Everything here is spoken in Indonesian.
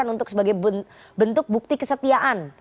dan jadilah pilih pilih solusi bagi masyarakat